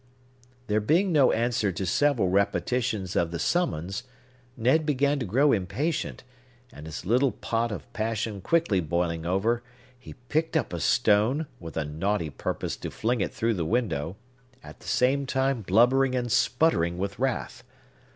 There being no answer to several repetitions of the summons, Ned began to grow impatient; and his little pot of passion quickly boiling over, he picked up a stone, with a naughty purpose to fling it through the window; at the same time blubbering and sputtering with wrath.